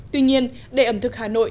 tuy nhiên để ẩm thực hà nội